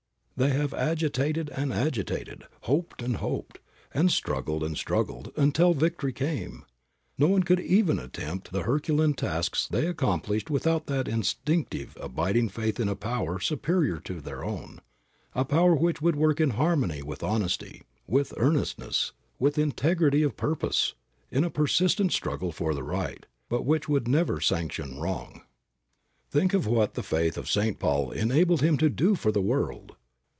They have agitated and agitated, hoped and hoped, and struggled and struggled, until victory came. No one could even attempt the herculean tasks they accomplished without that instinctive, abiding faith in a Power superior to their own, a Power which would work in harmony with honesty, with earnestness, with integrity of purpose, in a persistent struggle for the right, but which would never sanction wrong. Think of what the faith of St. Paul enabled him to do for the world!